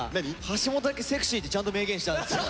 橋本だけセクシーってちゃんと明言したんですよ。